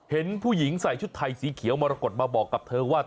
เห็นผู้หญิงใส่ชุดไทยสีเขียวมรกฏมาบอกกับเธอว่า